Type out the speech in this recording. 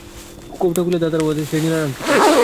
কৌটা খুলে কুমু দেখলে দাদার দেওয়া সেই নীলার আংটি।